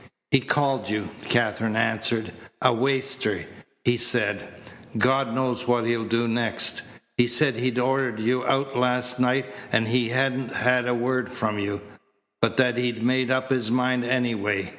"He called you," Katherine answered, "a waster. He said: 'God knows what he'll do next.' He said he'd ordered you out last night and he hadn't had a word from you, but that he'd made up his mind anyway.